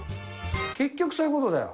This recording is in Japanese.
結局、そういうことだよ。